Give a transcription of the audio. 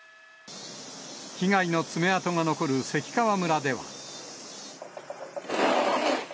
被害の爪痕が残る関川村では。